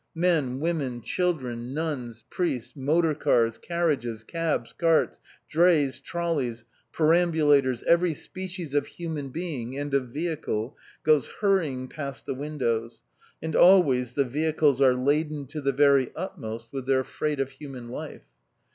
Men, women, children, nuns, priests, motor cars, carriages, cabs, carts, drays, trolleys, perambulators, every species of human being and of vehicle goes hurrying past the windows, and always the vehicles are laden to the very utmost with their freight of human life.